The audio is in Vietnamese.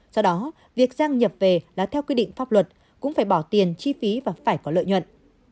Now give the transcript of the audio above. do đó việc giang nhập về là theo quy định pháp luật cũng phải bỏ tiền chi phí và phải có lợi nhuận